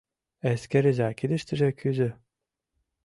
Эскерыза, кидыштыже — кӱзӧ.